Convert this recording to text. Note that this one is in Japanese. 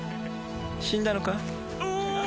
死んだのか？